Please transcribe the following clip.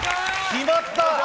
決まった！